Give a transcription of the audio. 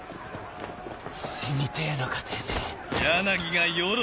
死にてぇのかてめぇ。